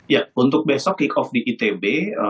ya untuk besok kick off di itb